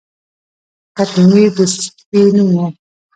قطمیر د سپي نوم و.